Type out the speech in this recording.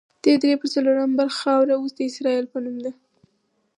دې درې پر څلورمه برخه خاوره اوس د اسرائیل په نوم ده.